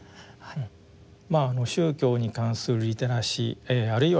宗教に関するリテラシーあるいはですね